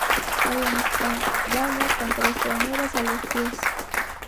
Hay una espadaña con tres troneras a los pies.